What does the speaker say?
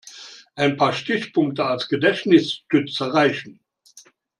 Ein paar Stichpunkte als Gedächtnisstütze reichen.